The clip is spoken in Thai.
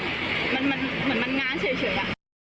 เหมือนมันง้างเฉยอะ